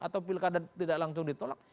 atau pilkada tidak langsung ditolak